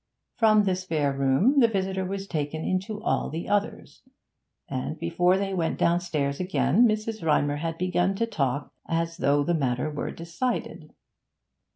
From the spare room the visitor was taken into all the others, and before they went downstairs again Mrs. Rymer had begun to talk as though the matter were decided.